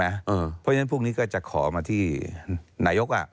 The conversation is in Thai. เพราะฉะนั้นพรุ่งนี้ก็จะขอมาที่นายก